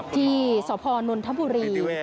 ที่สพนนทบุรี